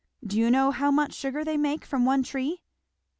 Do you know how much sugar they make from one tree?"